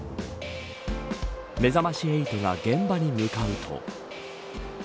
めざまし８が現場に向かうと。